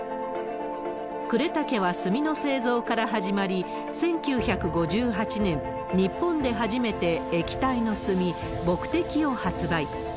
呉竹は墨の製造から始まり、１９５８年、日本で初めて液体の墨、墨滴を発売。